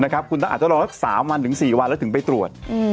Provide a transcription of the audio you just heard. คุณอาจจะรอสัก๓วันถึง๔วันแล้วถึงไปตรวจ